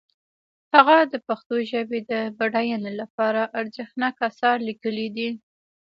هغه د پښتو ژبې د بډاینې لپاره ارزښتناک آثار لیکلي دي.